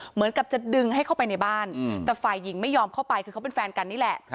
เหมือนกับจะดึงให้เข้าไปในบ้านแต่ฝ่ายหญิงไม่ยอมเข้าไปคือเขาเป็นแฟนกันนี่แหละ